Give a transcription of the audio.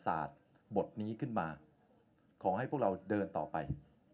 ศาสตร์บทนี้ขึ้นมาขอให้พวกเราเดินต่อไป